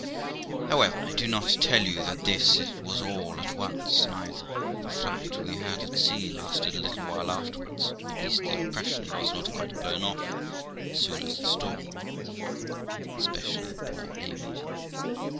However, I do not tell you that this was all at once neither ; the fright we had at sea lasted a little while afterwards; at least the impression was not quite blown off as soon as the storm; especially poor Amy.